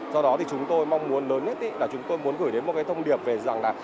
do đó thì chúng tôi mong muốn lớn nhất là chúng tôi muốn gửi đến một cái thông điệp về rằng là